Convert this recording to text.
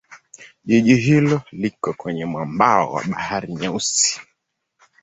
Jiji hilo liko kwenye mwambao wa Bahari Nyeusi.